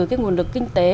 cái nguồn lực kinh tế